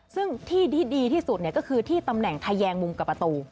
ซึ่งที่ที่ดีที่สุดก็คือที่ตำแหน่งทะแยงมุมกับประตู